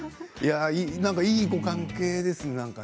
いいご関係ですね。